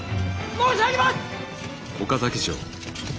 申し上げます。